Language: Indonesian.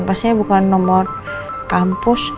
pastinya bukan nomor kampus